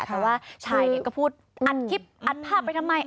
แต่ว่าชายก็พูดอัดคลิปอัดภาพไปทำไม